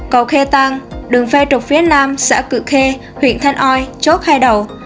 cầu khê tăng đường phe trục phía nam xã cự khê huyện thanh oi chốt hai đầu